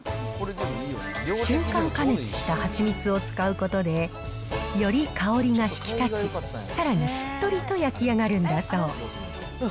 瞬間加熱したはちみつを使うことで、より香りが引き立ち、さらにしっとりと焼き上がるんだそう。